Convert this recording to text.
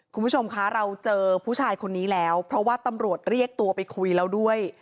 คุณผู้ชมคะเราเจอผู้ชายคนนี้แล้วเพราะว่าตำรวจเรียกตัวไปคุยแล้วด้วย